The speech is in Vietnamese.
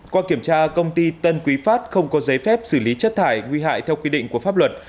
qua kiểm tra công ty tân quý phát không có giấy phép xử lý chất thải nguy hại theo quy định của pháp luật